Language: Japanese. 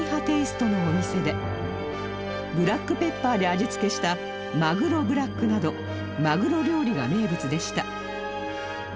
テイストのお店でブラックペッパーで味付けしたまぐろブラックなどまぐろ料理が名物でした